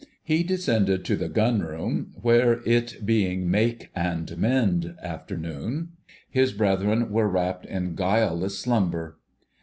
He descended to the Gunroom, where, it being "make and mend" afternoon, his brethren were wrapped in guileless slumber.